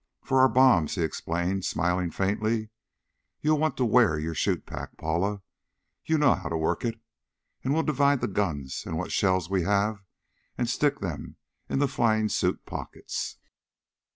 "For our bombs," he explained, smiling faintly. "You'll want to wear your chute pack, Paula. You know how to work it? And we'll divide the guns and what shells we have, and stick them in the flying suit pockets."